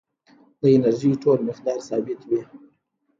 د انرژۍ ټول مقدار ثابت وي.